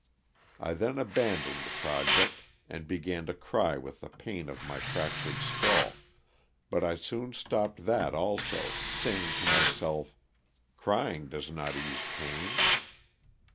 I then abandoned the project and be gan to cry with the pain of my fractured skull, but I soon stopped that also, saying to myself, crying does not ease pain.